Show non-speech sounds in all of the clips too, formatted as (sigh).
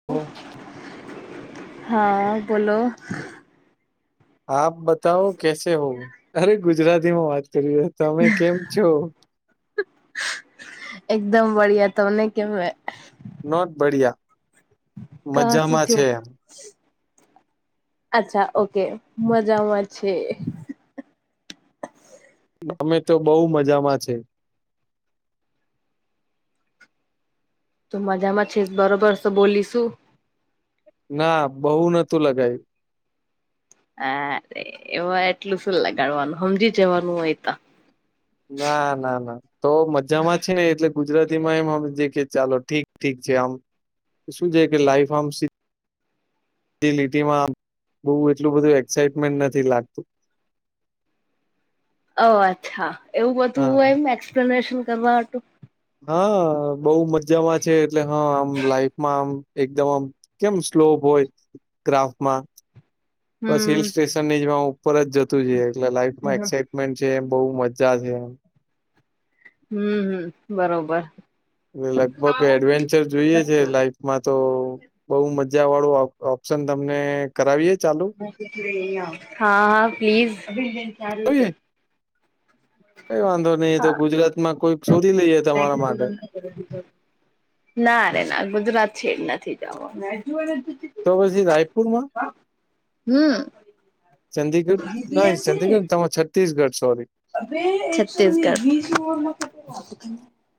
(unintelligible) હા બોલો આપ બતાવો કેસે હોવ. અરે! ગુજરાતીમાં વાત કરીએ. તમે કેમ છો? એકદમ બડિયા. તમને કેમ હે? નોટ બઢિયા. કા સુું થ્યો? અચ્છા ઓકે મજામાં છીએ. અમે તો બઉ મજામાં છે. તો મજામાં છે બરોબર જ તો બોલી શું ના બહુ નતું લગાયું અરે એમા એટલું શું લગાડવાનું? સમજી જવાનું હોય એતો ના ના ના તો મજામાં છે ને એટલે ગુજરાતીમાં એમ હમજીએ કે ચાલો ઠીક ઠીક છે આમ શું છે કે લાઈફ આમ લીટીમાં બો એટલું બધું એક્સાાઈટમેન્ટ નથી લાગતું. ઓ અચ્છા એવું બધું હા એમ એક્સપ્લેનેશન કરવા હાટુ હા બઉ મજામાં છે એટલે હા આમ લાઈફમાં આમ એકદમ આમ કેમ સ્લોપ હોય ગ્રાફમાં બસ હિલ હમ સ્ટેશનની જેમ આમ ઉપર જ જતું જુએ એટલે લાઈફમાં હમ એક્સા (unintelligible) છે એ બહુ મજા છે એમ હમ્મ હમ્મ બરોબર એ લગભગ એડવેન્ચર જોઈએ છે લાઈફ માં તો બઉુ મજાવાળું ઓપ્શન તમને કરાવીએ ચાલુ? હા હા કરાવીએ પ્લીઝ કઈ વાંધો નઈિ તો હા ગુજરાત માં કોઈ શોધી લઈએ તમારા માટે ના રે ના! ગુજરાત છેડ નથી જાવો તો પછી રાયપુર માં? હમ્મ ચંદીગઢ? નય ચંદીગઢ તમાર છત્તીસગઢ સોરી છત્તીસગઢ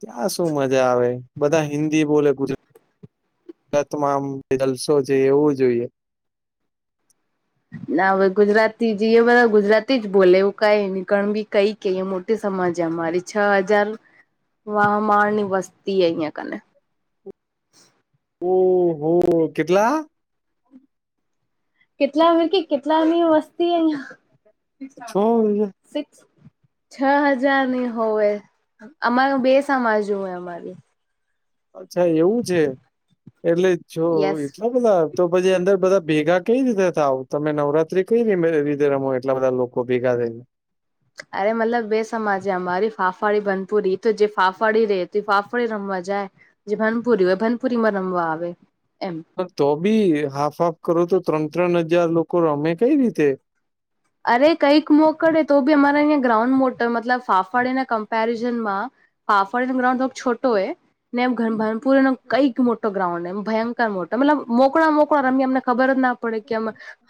ત્યાં શું મજા આવે? બધા હિન્દી બોલે ગુજરા તમાંમ જલસો છે એવું જોઈએ ના હવે ગુજરાતી જ એ બધા ગુજરાતી જ બોલે એવું કંઈ બી કંઈ કહ્યે મોટો સમાજે અમારે છ હજાર વાહ માની વસ્તી હે અયા કને ઓહહો! કેટલા? કેટલા મ કે કેટલાની વસ્તી અહિયાં છો છ હજાર ની હોય અમાર બે સમાજુ હોય અમારી અચ્છા એવું છે એટલે જો યસ એતલ બધા તો પછી અંદર બધા ભેગા કઈ રીતે થાવ તમે નવરાત્રી કઈ રી રમો એટલા બધા લોકો કોપી કા થઈને અરે મતલબ બે સમાજે અમારી ફાફાડી બનપુ રહી તો જે ફાફાડી રતી ફાફડી રમવા જાય જે ભનપુરી હોય ભનપુરી માં રમવા આવે એમ પણ તો બી હાફ હાફ કરો તો ત્રણ ત્રણ હજાર લોકો રમે કઈ રીતે અરે કઈક મોકડે તો બી અમારે અંયા ગ્રાઉન્ડ મોટર મતલબ ફાફડીના કમ્પેરિઝન માં હાફ ગ્રઉડ બ છોટો એ ને એમ ઘભરનપુર નો કઈક મોટો ગ્રાઉન્ડ એમ ભયંકર મોટો મતલબ મોકળા મોકળ રમી એમને ખબર જ ના પડે કે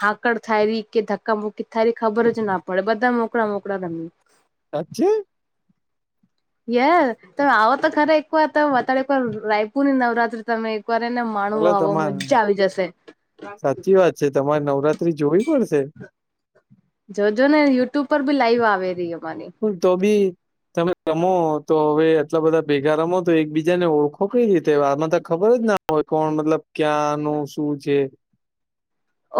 હાકડ થાય ર કે ધક્ મુકી તારી ખબર જ ના પડે બધા મોકળા મોકળા તમને સા છે યાર તમે આવો તો ખરે એક વાર તમે અત વાર રાયપુર ની નવરાત્રી તમે કરે ને માણું એટલે આવો તમારે મજ્જા આવી જશે સાચી વાત છે તમારે નવરાત્રી જોવી પડશે જોજ ને યુટ્યુબ પર બી લાઈવ આવે રહી અમારી હ તો ભી તમે રમો તો હવે આટલા બધા ભેગા રમો તો એકબીજાને ઓળખો કઈ રીતે આમાં તો ખબર જ હોય, કોણ મતલબ ક્યાંનું શું છે?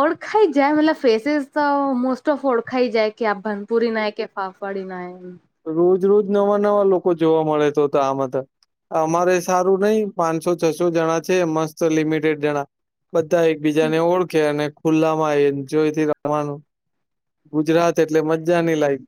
ઓળખાઈ જાય મતલબ ફેસેિસ તો મોસ્ટ ઓફ ઓળખાઈ જાય કે આ ભનપૂરી ના કે પાાફડી નાાય રોજ રોજ નવા નવા લોકો જોવા મળે તો તો આમાં તો. અમારે સારું નહિ પાંચસો છસો જણા છે મસ્ત લિમિટેડ જણા બધા એક બીજાને ઓળખે અને ખુલ્લા માં આવી જોઈ રવાનું ગુજરાત એટલે મજા નઈ લાયક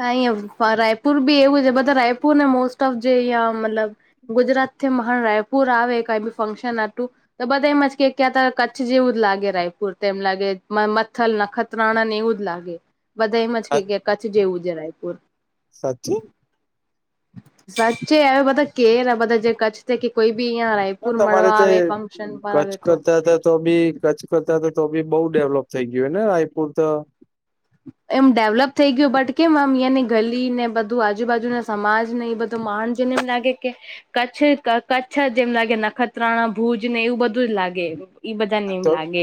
હા રાયપુર બી એવું છે બધા રાયપુર ને મોસ્ટ ઓફ જે અયા મતલબ ગુજરાત થી મહા રાયપુર આવે ક બી ફંક્શન (unintelligible) તો બધા એમ જ કે ક્યાં કચ્છ જેવું જ લાગે રાયપુર તો એમ લાગે મચ્થલ નખ તણ ને એવું જ લાગે બધા એમ જ કે કે કચ્છ જેવું છે રાયપુર. સાચી? સાચે હવે બધા કેર આ બધા જે કચ્છ કે કોઈ બી અહં રાયપુર તમારે મળવા તે આવે ફંક્શન પર કચ્છ આવે તો. કરતા હતા તો બી કચ્છ કરતા તો તો બી બઉ ડેવલોપ થઈ ગયું ને રાયપુર તો? એમ ડેવલપ થઈ ગયું બટ કેમ આમ અહીંયા ને ગલી ને બધું આજુબાજુના સમાજ ને એ બધું તો માણસ જોઈને લાગે કે કચ્છ કચ્છ જેમ લાગે નખત્રાણા ભુજ ને એવું બધું જ લાગે ઈ બધા ને હા એવું તો લાગે.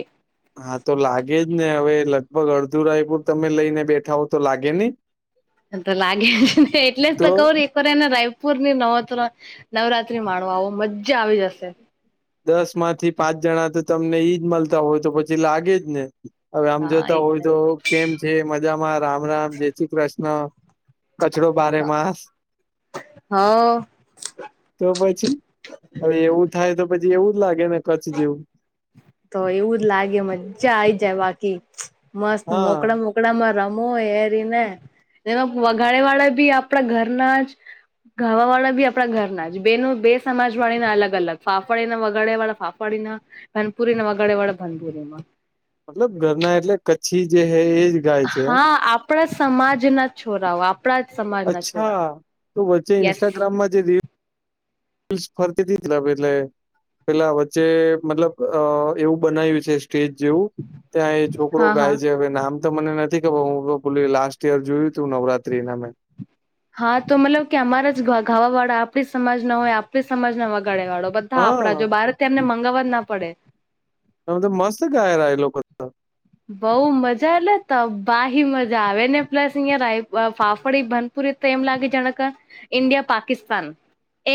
હા તો લાગે જ ને હવે લગભગ અડધુ રાયપુર તમે લઈ ને બેઠા હો તો લાગે નહી. (unintelligible) તો લાગેને એટલે જ તો કવરી ને રાયપુર ની નવત્ર નવરાત્રી માણો આવો મજ્જા આવી જશે. દસ માંથી પાંચ જણા તો તમને ઈદ મળતા હોય તો પછી લાગે જ ને. હવે આમ હા એ જોતા હોય તો કેમ છે મજામાં રામ રામ જય શ્રી કૃષ્ણ કચરો બારે માસ. હ તો પછી હવે એવું થાય તો પછી એવું જ લાગે ને કચ્છ જેવું. તો એવું જ લાગે મજા આઈ જાય બાકી મસ્ત હા મોકળા મોક કડામાં રમો એરીને એમાં વઘાડે વાળા બી આપડા ઘરના જ ગાવા વાળા બી આપડા ઘરના જ બે ન બે સમાજ વાળી ના અલગ અલગ ફાફડે વગડે વાળા ફાફ ડી ના ભનપુરીના વગડે વાળા ભનપુરીમાં. મતલબ ઘરના એટલે કચ્છી જે હ એજ ગાય છે એમ હા આપણા સમાજના છોરાઓ આપણા સમાજ. અચ્છા તો વચ્ચે ઇન્સ્ટાગ્રામમાં જે રિ લ્સ ફરતી એટલે પેલા વચ્ચે મતલબ અ એવું બનાવ્યું છે. સ્ટેજ જેવું ત્યાં એ છોકરો હા હા ગાય છે હવે નામ તો મને નથી ખબર હું પુલી લાસ્ટ ઈયર જોયું તું નવરાત્રીને મેં. હા તો મતલબ કે અમારા જ ગાવા વાળા આપણી સમાજના હોય આપણી સમાજના વાગ ગળે વાળો બધા આપડા હા જો બહાર થી એને મંગાવવા જ ના પડે. એ તો મસ્ત ગાય રહ એ લોકો. બઉ મજા એટલે તબાહી મજા આવે ને પ્લસ અહિયાં રા ફાફડી બન એમ લાગે જાણક ઇન્ડિયા પાકિસ્તાન.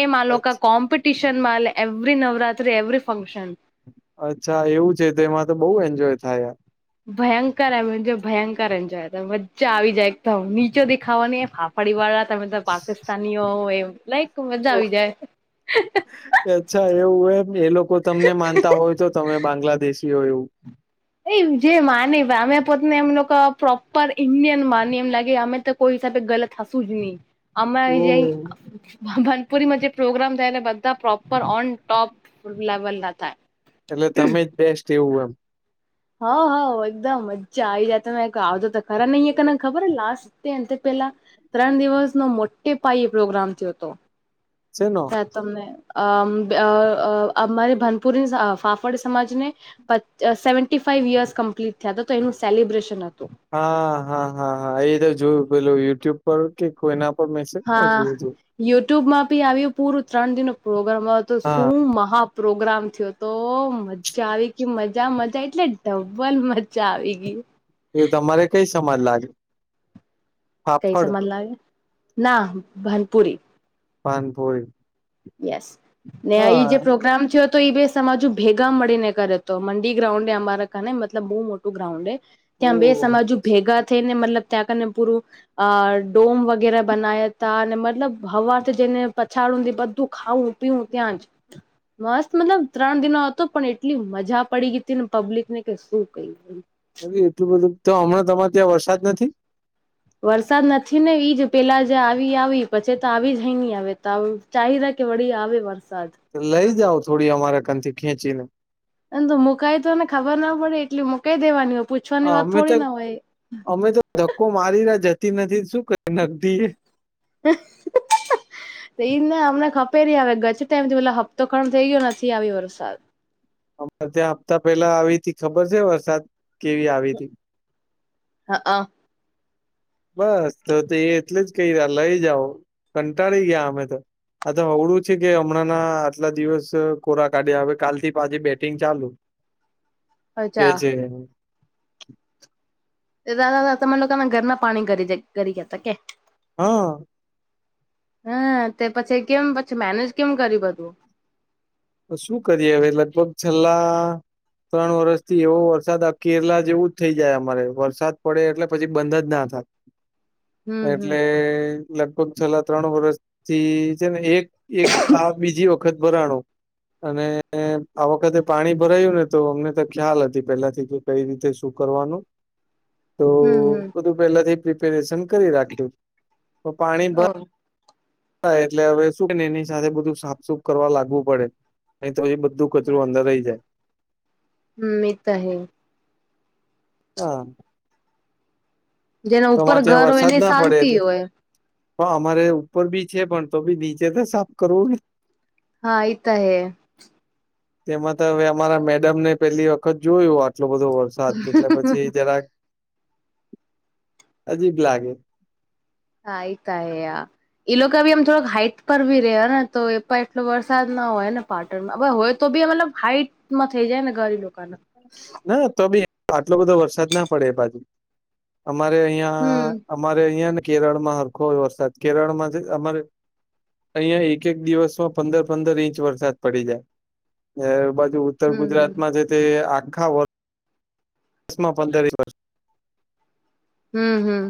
એમાં અચ્છા લોકો ક કોમ્પિટિશન માં એવરી નવરાત્રી એવરી ફંક્શન. અચ્છા એવું છે તો એમાં તો બહુ એન્જોય થાય. ભયંકર એજ ભયંકર એન્જય મજ્જા આવી જાય એકદમ નીચો દેખાવાની ફ પડીવાળા તમે તો પાકિસ્તાનીઓ એમ લાઈક મજા આવી જાય. અચ્છા એવું એમ એ લોકો તમને માનતા હોય તો તમે બાંગ્લાદેશી હો એવું. એ જે માની અમે પોતેને એમ લોકો પ્રોપર ઇન્ડિયન માની એમ લાગે અમે તો કોઈ હિસાબે ગલત હશું જ નહી અમે જ ઓહ ભનપુરીમાં જે પ્રોગ્રામ થાય એ બધા પ્રોપર ઓન ટોપ લેવલ ના થાય. એટલે તમે જ બેસ્ટ એવું એમ. હા હ એકદમ મજ્જા આવી જાય તમે આવતો તો ખરા નહીિને ખબર લાસ્ટ તે તે પેલા ત્રણ દિવસનો મોટે પાય પ્રોગ્રામ થયો હતો. (unintelligible) તને અમ અ અ અમારી ભનપુર ફાફડ સમાજને સેવન્ટી ફાઈ યર્સ કમ્પ્લીટ થયા હતા તો એનું સેલિબ્રેશન હતું. હા હા હા હા એ તો જોયું પેલું યુટ્યુબ પર કે કોઈના પર મેસેજ હા જોયું હતું. યુટ્યુબમાં ભી આવ્યું પૂરું ત્રણ દિ ન પ્રોગ્રામ તો હા શું મહા પ્રોગ્રામ થયો તો મજા આવી ગઈ મજા મજા એટલે ડબલ મજા આવી ગઈ. એ તમારે કઈ સમાજ લાગે? કઈ ફાફડ સમાન લાગે ના ભનપુરી. પાનપોઈ. યસ ને આ જે પ્રોગ્રામ છે. તો એ બે સમાજુ ભેગા મળીને કરે તો મંડી ગ્રાઉન્ડ એ અમારા કાને મતલબ બહુ મોટું ગ્રાઉન્ડે. ત્યાં બે ઓહ સમાજુ ભેગા થઈ ને મતલબ ત્યાંકને પૂરું અ ડોમ વગેરે બનાયા ત અને મતલબ હવાથી જેઈને પછાડું બધું ખાવું પીવું ત્યાં જ. મસ્ત મતલબ ત્રણ દિનો હતો પણ એટલી મજા પડી ગઈ હતી ને પબ્લિક ને કે શું કઈ. એટલું બધું તો હમણાં તમારે ત્યાં વરસાદ નથી. વરસાદ નથી ને એઈજ પેલા જે આવી આવી પછી તો આવી જઈ નહી આવે તો ચાહદા કે વળી આવે વરસાદ. લઈ જાવ થોડી અમારા કનથી ખેંચી ને. એ તો મુકાય તોને ખબર ના પડે એટલી મુકાઈ દેવાની હો પૂછ અમે તો અમે તો ધક્કો મારીને જતી નથી શું ક નકદી એ. (inaudible) ઈ ના અમને ખપે હ ગજ ટાઈમ થી પ હપ્તો ખણ થઇ ગયો નથી આવી વરસાદ. અરે ત્યાં હપ્તા પહેલા આવી ત ખબર છે વરસાદ કેવી આવી હતી હા હા બસ તો તો એ એટલે જ કહી રહ લઈ જાઓ કંટાળી ગયા અમે તો આ તો હવડું છે કે હમણાં ના આટલા દિવસ કોરા કાઢ્યા હવે કાલ થી પાછી બેટિંગ ચાલુ કે અચ્છા છે દાદાા તમે લોકોના ઘરના પાણી કરી કરી ગયા હતા કે હા હમ તે પછી કેમ પછી મેનેજ કેમ કરી બધું તો શું કરીએ હવે લગભગ છેલ્લા ત્રણ વરષ થી એવો વરસાદ કેરલા જેવું જ થઇ જાય અમારે વરસાદ પડે એટલે પછી બંધ જ ના હમ થાય હમ એટલે લગભગ છેલ્લા ત્રણ વર્ષથી છે ને એક એક આ બીજી વખત બરાણો અને આ વખતે પાણી ભરાયું ને તો અમને તો ખ્યાલ હતી પેલા થી કઈ રીતે શું કરવાનું તો હમ હમ પથી પ્રપેરેશન કરીખ્યું પાણી ઓ ભ એટલે હવે શુંને એની સાથે બધું સાફસુફ કરવા લાગવું પડે એ તો એ બધું કચરું અંદર રહી જાય હમ એ તોાય હા જેના ઉપર તોમાં ત્યાં ઘર હોય વરસાદ એને ના પડે શાંતિ એટલે હોય હ અમારે ઉપર બી છે પણ તો બી નીચે તો સાફ કરવું હા આઈતા હ તેમાં તો હવે અમારા મેડમને પેલી વખત જોયું આટલો બધો વરસાદ એટલે પછી જરા અજીબ લાગે હે કાય યહાં ઈ લોકો ભી આમ થોક હાઈટ પર ભી રે ને તો એ પણ એટલો વરસાદ ના હોયને પાર્ટરમાં હોય તો બી મતલબ હાઈટમાં થઈ જાય ને ગરીના ના તો બી આટલો બધો વરસાદ ના પડે બાજુ અમારે અહિયાં હમ અમારે અહિયાં ને કેરળમાં હરખોય વરસાદ કેરળમાંથી અમારે અહિયાં એક એક દિવસમાં પંદર પંદર ઇંચ વરસાદ પડી જાય બાજુ ઉત્તર હમ ગુજરાતમાં જે તે આખા વર્ માં પંદરસ એક વર્ષ હમ્મ હમ્મ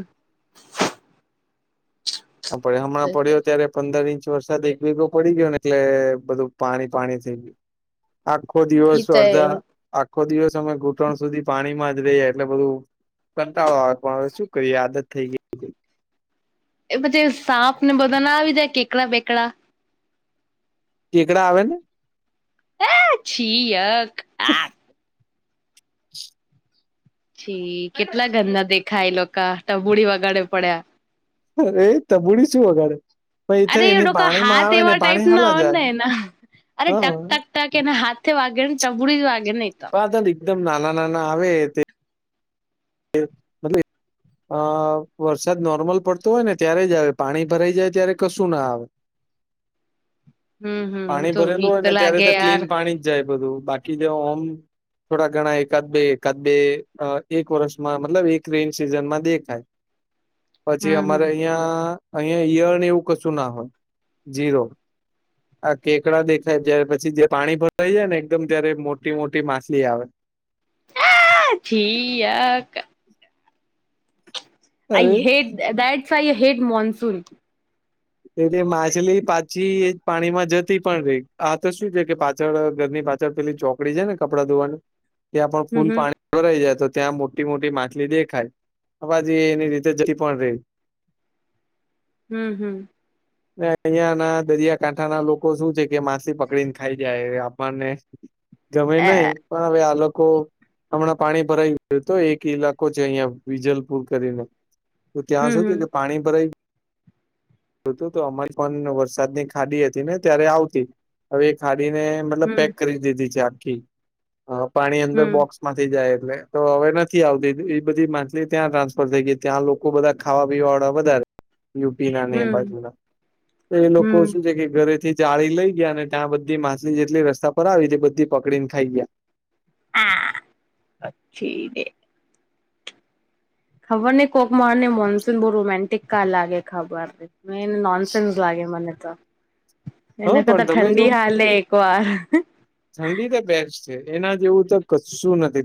પડ હમણાં પડ્યો ત્યારે પંદર ઈંચ વરસાદ એક ભેગો પડી ગયો ને એટલે બધું પાણી પાણી થઈ ગયું આખો ઈ દિવસ તો અર્ધા હે આખો દિવસ અમે ઘૂંટણ સુધી પાણીમાં જ રહીએ એટલે બધું કંટાળો આવે પણ હવે શું કરીયે આદત થઈ ગઈ એ પછી સાપ ને બધા ના આવી જાય કેકડા બેકડા કેકડા આવે ને હ છી યક આ (inaudible) જી કેટલા ગંધા દેખાય એ લોકો ટબુડી વગાડે પડ્યા અરે તબુડી શું વગાડે પણ અરે એ એની લોકના પાણીમાં હાથ આવે ને એવા ટાઈપ પાણી ના હલા જાય આવે ને અરે હા ટક ટક કેને હાથે વાગેને ટબુડી વાગે ને એતો (unintelligible) એકદમ નાના નાના આવે મતલબ અ વરસાદ નોર્મલ પડતો હોય ને ત્યારે જ આવે પાણી ભરાઈ જાય ત્યારે કશું ના આવે હમ હમ હું પાણી તો ભરેલું હોય બીક ને ત્યારે લાગે તો યાર ક્લીન પાણી જાય બધું બાકી જેઓમ થોડા ઘણા એકાદ બે એકાદ બે એક વર્ષ મતલબ એક રેન સીઝનમાં દેખાય પછી હમ અમારે હમ અહિયાં અહિયાં ઈયર એવું કશું ના હોય જીરો આ કેકડા દેખાય જ્યારે પછી જે પાણી ભરાઈ જાય ને એકદમ ત્યારે મોટી મોટી માછલી આવે છી યક આઈ અરે hate that's why I hate monsoon એટલે માછલી પાછી એ પાણીમાં જતી પણ રહી આ તો શું છે કે પાછળ ઘરની પાછ પેલી ચોકડી છે ને કપડા ધોવાની ત્યા હમ ફૂલ હમ પાણી ભરાય જય તો ત્યાં મોટી મોટી માછલી દેખાય હ બાજ એની રીતે જતી પણ રે હમ્મ હમ્મ અહિયાં ના દરિયાકાઠા ના લોકો શું છે કે માચલી પકડી ને ખાઈ જાય એ આપમાન ને ગમે અ નહિ પણ હવે આ લોકો હમણાં પાણી ભરાયુંય તો એક ઈલાકો છે અહિયાં વિજલપુર કરીને તો ત્યાં હમ શું છે હમ કે પાણી ભરાય ગયું તો અમારી પણ વરસાદ ની ખાડી હતી ને ત્યારે આવતી હવે એ ખાડી ને મતલબ હમ પેક કરી દીધી છે આખી પાણી અંદર હમ બોક્સ માંથી જાય એટલે તો હવે નથી આવતી એ બધી માલી ત્યાં ટ્રાન્સફર થઈ ગઈ ત્યાં લોકો લોકો બધા ખાવા પીવા વાળા બધારે પીલા ને એ હમ બાજુ ના તો એ લોકો હમ શું છે કે ઘરેથી જાળી લઈ ગયા અને ત્યાં બધી માછલી જેટલી રસ્તા પર આવી તે બધી પકડી ને ખાઈ ગયા હા પછી ખબર નને કોકમાંણ ને મોનસૂન બહુ રોમેન્ટિક ક લાગે ખબર મેન નોનસેન્સ લાગે મને તો હા એના પણ કરતા તમે જો ઠંડી હાલે પવાર ઠંડી તો બેસ્ટ છે એના જેવું તો કસું નથી